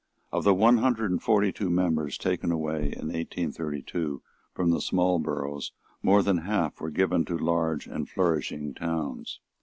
Of the one hundred and forty two members taken away in 1832 from small boroughs more than half were given to large and flourishing towns.